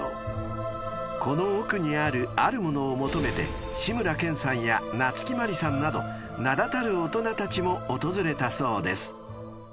［この奥にあるあるものを求めて志村けんさんや夏木マリさんなど名だたる大人たちも訪れたそうです］